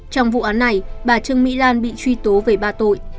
trong vụ án này bà trương mỹ lan bị truy tố về ba tội